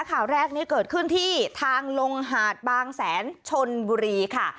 ข่าวแรกนี้เกิดขึ้นที่ทางลงหาดบางแสนชนบุรีค่ะ